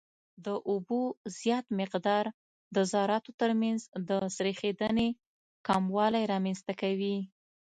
د اوبو زیات مقدار د ذراتو ترمنځ د سریښېدنې کموالی رامنځته کوي